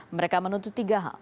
mereka menuntut tiga hal